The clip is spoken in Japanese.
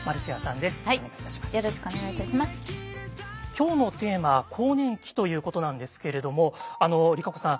今日のテーマは「更年期」ということなんですけれどもＲＩＫＡＣＯさん